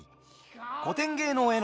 「古典芸能への招待」